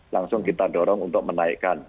langsung kita dorong untuk menaikkan